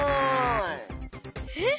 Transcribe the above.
えっ？